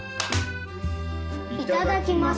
いただきます。